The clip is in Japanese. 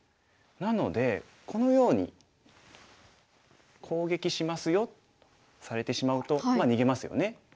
なのでこのように「攻撃しますよ」されてしまうとまあ逃げますよね。